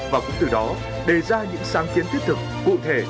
và cũng từ đó đề ra những sáng kiến thiết thực cụ thể